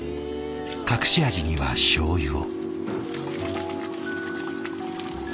隠し味にはしょうゆを。